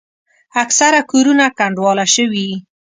اکثره کورونه کنډواله شوي.